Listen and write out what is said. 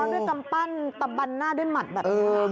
ง้อด้วยกำปั้นหัวหน้าด้วยหมา็ดแบบนี้ครับ